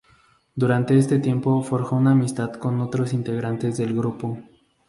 Durante este tiempo forjó una amistad con otros integrantes del grupo.